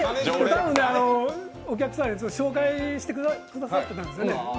お客さん紹介してくださってたんですよね。